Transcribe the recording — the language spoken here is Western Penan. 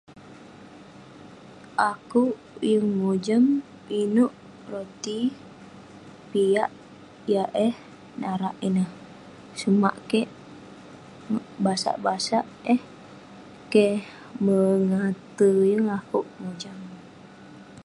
akeuk yeng mojam, ineuk roti piak yah eh narak ineh.sumak ke'k basak basak eh keh mengate, yeng akeuk mojam